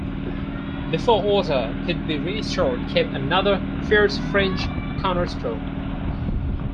Before order could be restored came another fierce French counterstroke.